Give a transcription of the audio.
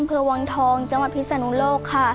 เผือวางทองจังหวัดพิสนุโลกค่ะ